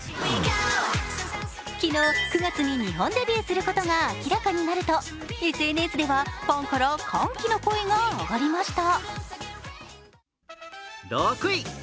ｅｒ昨日、９月に日本デビューすることが明らかになると、ＳＮＳではファンから歓喜の声が上がりました。